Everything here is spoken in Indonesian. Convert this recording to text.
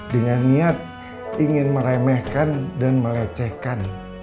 dengan niat ingin meremehkan dan melecehkan